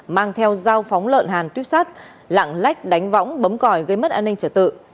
mang theo dao phóng lợn hàn tuyếp sắt lạng lách đánh võng bấm còi gây mất an ninh trật tự